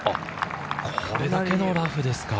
これだけのラフですか。